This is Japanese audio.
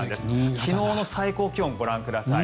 昨日の最高気温をご覧ください。